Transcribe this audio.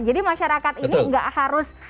jadi masyarakat ini tidak harus